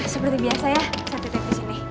seperti biasa ya saya titip disini